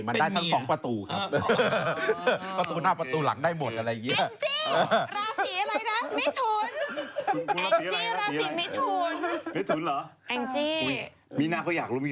คงได้ทั้ง